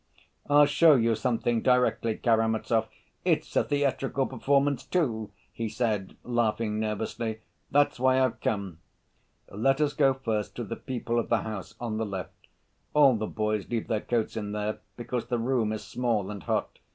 "I'll show you something directly, Karamazov; it's a theatrical performance, too," he said, laughing nervously. "That's why I've come." "Let us go first to the people of the house, on the left. All the boys leave their coats in there, because the room is small and hot."